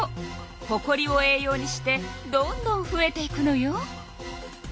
ほこりを栄養にしてどんどんふえていくのよ。